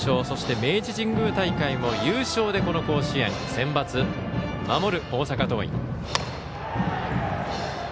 そして、明治神宮大会も優勝でこの甲子園、センバツ守る、大阪桐蔭。